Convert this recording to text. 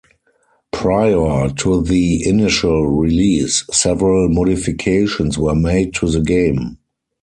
Prior to the initial release, several modifications were made to the game.